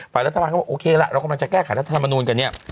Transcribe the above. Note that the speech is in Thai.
ฝ่ายรัฐบาลก็บอกโอเคละเรากำลังจะแก้ไขรัฐธรรมนูลกันเนี่ย